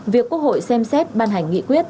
việc quốc hội xem xét ban hành nghị quyết